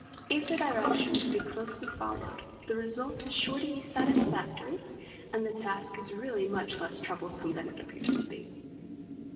If the directions be closely followed, the result is sure to be satisfactory, and the task is really much less troublesome than it appears to be.